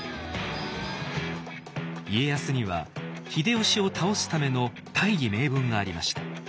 家康には秀吉を倒すための大義名分がありました。